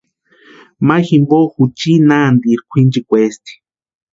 Mayu jimpo juchi nantieri kwʼinchikwaesïnti.